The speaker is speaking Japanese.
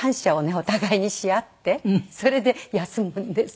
お互いにし合ってそれで休むんです。